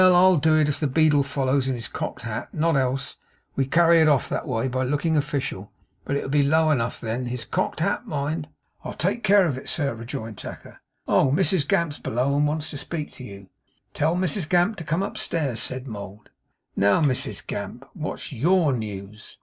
I'll do it if the beadle follows in his cocked hat; not else. We carry it off that way, by looking official, but it'll be low enough, then. His cocked hat, mind!' 'I'll take care, sir,' rejoined Tacker. 'Oh! Mrs Gamp's below, and wants to speak to you.' 'Tell Mrs Gamp to come upstairs,' said Mould. 'Now Mrs Gamp, what's YOUR news?